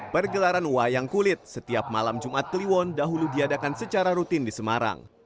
pergelaran wayang kulit setiap malam jumat kliwon dahulu diadakan secara rutin di semarang